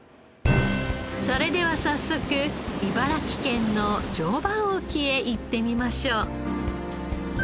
それでは早速茨城県の常磐沖へ行ってみましょう。